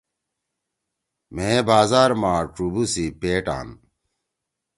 مھیئے بازار ما ڇُوبُو سی پیٹ آن۔